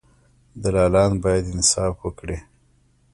دلالان باید انصاف وکړي.